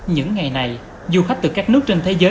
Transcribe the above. những ngày này du khách từ các nước trên thế giới